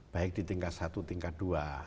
baik di tingkat satu tingkat dua